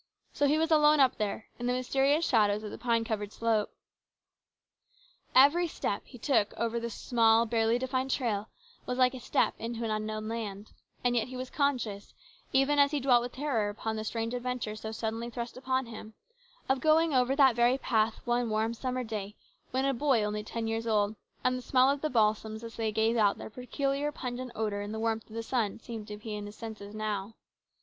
So he was alone up there in the mysterious shadows of the pine covered slope. Every step he took over the small, barely defined trail was like a step into an unknown land, and yet he was conscious, even as he dwelt with terror upon the strange adventure so suddenly thrust upon him, of going over that very path one warm summer day when a boy only ten years old, and the smell of the balsams as they gave out their peculiar pungent odour in the warmth of the sun seemed to be in his senses now.